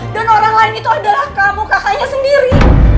dan orang lain itu adalah kamu kakaknya sendiri